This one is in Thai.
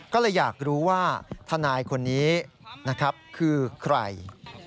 ก็เลยอยากรู้ว่าทนายคนนี้นะครับคือใคร